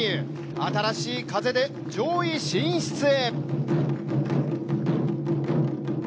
新しい風で上位進出へ。